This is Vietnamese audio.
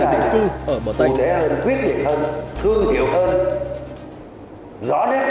tỉnh cư ở bờ tây